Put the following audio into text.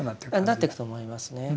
なっていくと思いますね。